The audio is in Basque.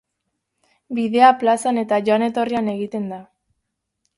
Bidea plazan eta joan etorrian egiten da.